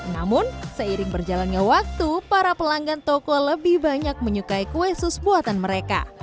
namun seiring berjalannya waktu para pelanggan toko lebih banyak menyukai kue sus buatan mereka